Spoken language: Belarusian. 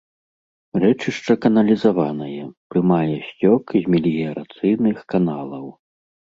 Рэчышча каналізаванае, прымае сцёк з меліярацыйных каналаў.